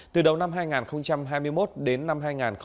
từ đầu năm hai nghìn hai mươi một đến năm hai nghìn hai mươi ba